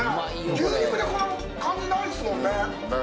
牛肉でこの感じ、ないですもんね。